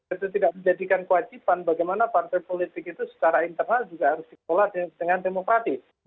itu tidak menjadikan kewajiban bagaimana partai politik itu secara internal juga harus dikelola dengan demokratis